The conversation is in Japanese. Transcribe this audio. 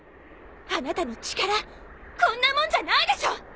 あなたの力こんなもんじゃないでしょ！